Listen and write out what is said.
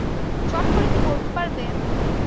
চট করে কি বলতে পারবেন?